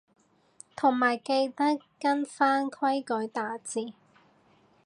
同埋記得跟返規矩打字